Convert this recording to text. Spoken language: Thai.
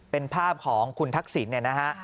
เป็นภาพของคุณทักศิลป์